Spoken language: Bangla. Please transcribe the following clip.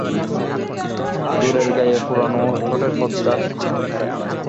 দোরের গায়ে পুরানো চটের পর্দা।